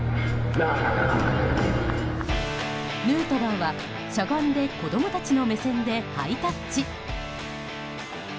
ヌートバーはしゃがんで子供たちの目線でハイタッチ。